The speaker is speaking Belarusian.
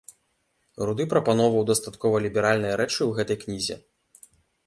Руды прапаноўваў дастаткова ліберальныя рэчы ў гэтай кнізе.